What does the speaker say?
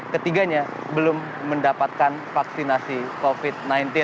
ketiganya belum mendapatkan vaksinasi covid sembilan belas